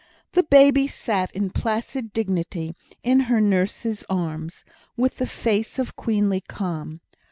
The baby sat in placid dignity in her nurse's arms, with a face of queenly calm.